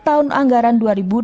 tahun anggaran dua ribu delapan belas